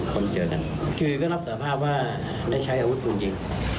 คือก็รับสภาพว่าได้ใช้อาวุธภูมิหยิง